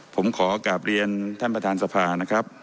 ผมขอกลับเรียนท่านประธานสภานะครับ